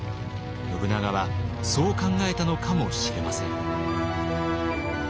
信長はそう考えたのかもしれません。